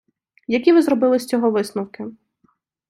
Які ви зробили з цього висновки?